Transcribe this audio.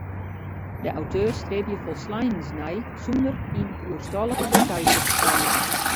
De auteurs stribje folsleinens nei sûnder yn oerstallige details te ferfallen.